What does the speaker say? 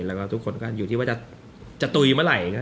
แล้วก็ทุกคนก็อยู่ที่ว่าจะตุ๋ยเมื่อไหร่